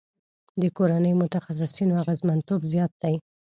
د کورني متخصصینو اغیزمنتوب زیات دی.